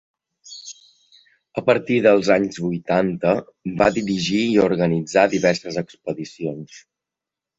A partir dels anys vuitanta va dirigir i organitzar diverses expedicions.